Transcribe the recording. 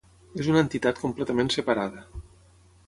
És una entitat completament separada.